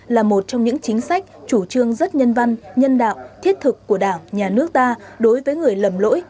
là một trong những chính sách chủ trương rất nhân văn nhân đạo thiết thực của đảng nhà nước ta đối với người lầm lỗi